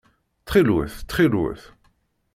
Ttxil-wet! Ttxil-wet!